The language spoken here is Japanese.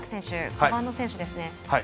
５番の選手ですね